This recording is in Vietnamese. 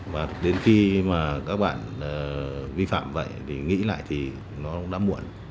và đến khi mà các bạn vi phạm vậy nghĩ lại thì nó đã muộn